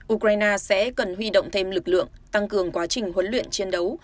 ukraine sẽ cần huy động thêm lực lượng tăng cường quá trình huấn luyện chiến đấu